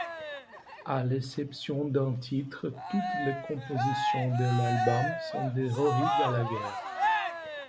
À l'exception d'un titre, toutes les compositions de l'album sont de Rory Gallagher.